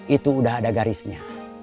itu udah ada garisnya